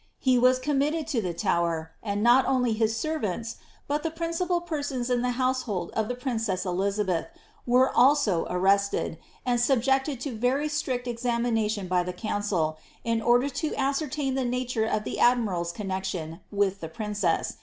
5e was committed to the Tower, and not only his servants, but the snocipaJ persons in the household of the princess Elizabeth were als > irresteii* and subjected to very strict examination by the council, in cnier to ascertain the nature of the admiral's connexion with the prin r»«.